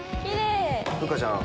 風花ちゃん